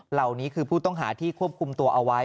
เหล่านี้คือผู้ต้องหาที่ควบคุมตัวเอาไว้